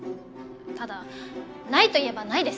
ただないといえばないです。